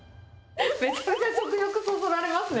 めちゃめちゃ食欲そそられますね。